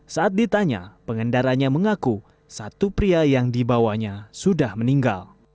saat ditanya pengendaranya mengaku satu pria yang dibawanya sudah meninggal